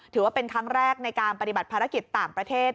ถือว่าเป็นครั้งแรกในการปฏิบัติภารกิจต่างประเทศ